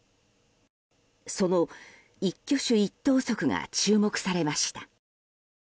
その一挙手一投足が注目されました。